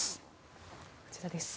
こちらです。